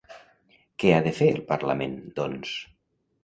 Què ha de fer el Parlament, doncs?